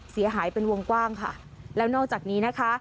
เสียหายเป็นวงกว้างค่ะแล้วนอกจากนี้นะคะ